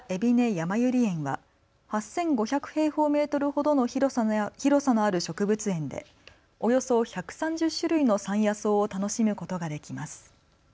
やまゆり園は８５００平方メートルほどの広さのある植物園でおよそ１３０種類の山野草を楽しむことができます。